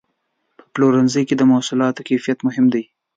په پلورنځي کې د محصولاتو کیفیت مهم دی.